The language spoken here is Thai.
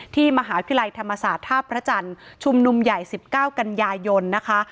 มหาวิทยาลัยธรรมศาสตร์ท่าพระจันทร์ชุมนุมใหญ่๑๙กันยายนนะคะ